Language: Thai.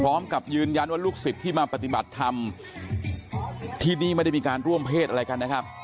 พร้อมกับยืนยันว่าลูกศิษย์ที่มาปฏิบัติธรรมที่นี่ไม่ได้มีการร่วมเพศอะไรกันนะครับ